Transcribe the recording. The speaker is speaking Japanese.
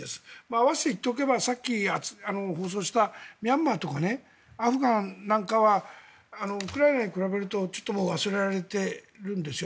合わせて言っておけばさっき放送したミャンマーとかアフガンなんかはウクライナに比べるとちょっと忘れられているんですよ。